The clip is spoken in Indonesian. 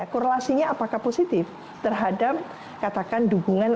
korelasinya apakah positif terhadap katakan dukungan